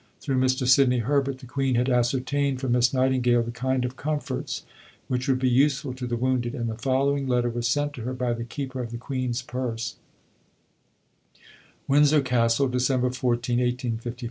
Through Mr. Sidney Herbert, the Queen had ascertained from Miss Nightingale the kind of comforts which would be useful to the wounded, and the following letter was sent to her by the Keeper of the Queen's Purse: WINDSOR CASTLE, December 14 .